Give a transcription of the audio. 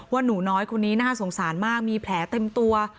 หนูน้อยคนนี้น่าสงสารมากมีแผลเต็มตัว